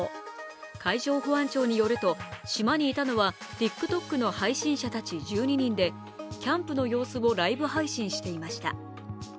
海上保安庁によると島にいたのはＴｉｋＴｏｋの配信者たち１２人でキャンプの様子をライブ配信していました。